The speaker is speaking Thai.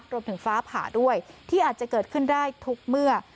ฟ้าผ่าด้วยที่อาจจะเกิดขึ้นได้ทุกเมื่อ